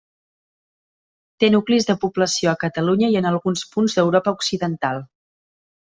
Té nuclis de població a Catalunya i en alguns punts d'Europa occidental.